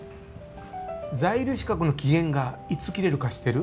在留資格の期限がいつ切れるか知ってる？